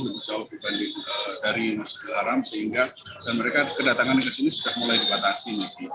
lebih jauh dibanding dari mas jelaram sehingga mereka kedatangan ke sini sudah mulai dibatasi